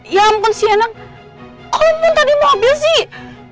ya ampun sianang kok lo pun tadi mau abis sih